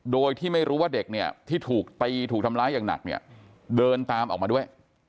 โดยที่ไม่รู้ว่าเด็กมาอย่างหนักเดินตามออกมาด้วย